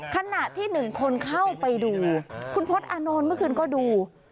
ขณะที่หนึ่งคนเข้าไปดูคุณพศอานนท์เมื่อคืนก็ดู